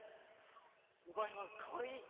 お前はかわいい。